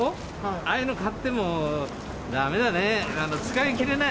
ああいうの買ってもだめだね、使いきれない。